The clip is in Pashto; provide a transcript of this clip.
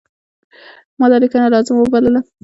ما دا لیکنه لازمه وبلله.